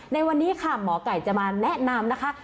ในวันนี้ค่ะหมอไก่จะมาแนะนำนะคะ